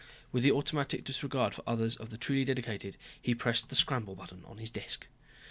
With the automatic disregard for others of the truly dedicated, he pressed the scramble button on his desk.